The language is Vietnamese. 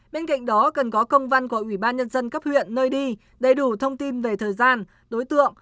bên cạnh đó cần có công văn của ủy ban nhân dân cấp huyện nơi đi đầy đủ thông tin về thời gian đối tượng